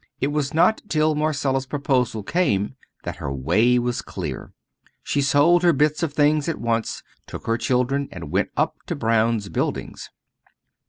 It was not till Marcella's proposal came that her way was clear. She sold her bits of things at once, took her children and went up to Brown's buildings.